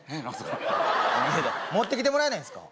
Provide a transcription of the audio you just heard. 持ってきてもらえないんですか？